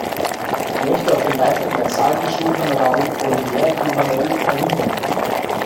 Ich möchte auf den Beitrag meines alten Schulkameraden Olivier Duhamel erwidern.